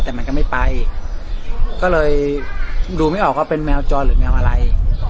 แต่มันก็ไม่ไปก็เลยดูไม่ออกว่าเป็นแมวจรหรือแมวอะไร